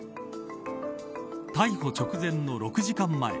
逮捕直前の６時間前。